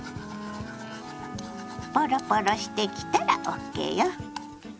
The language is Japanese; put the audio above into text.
ポロポロしてきたらＯＫよ。